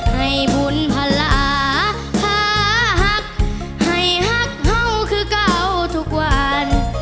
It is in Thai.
ให้ภูมิภาระพาหักให้หักเขาคือเก่าทุกวัน